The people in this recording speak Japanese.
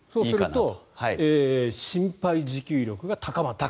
そうすると心肺持久力が高まると。